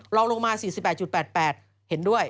ลองลงมา๔๘๘๘เห็นด้วย